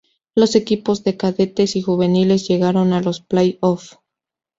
Los equipos de Cadetes y Juveniles llegaron a los play-off.